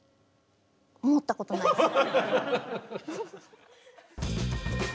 思ったことない。